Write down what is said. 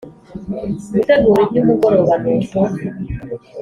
gutegura ibyumugoroba nuko